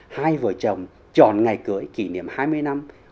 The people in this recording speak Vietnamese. hai vợ chồng chọn ngày cưới kỷ niệm hai mươi năm